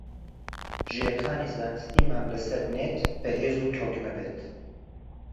ژێرخانی زانستیمان لەسەر نێت بەهێز و تۆکمە بێت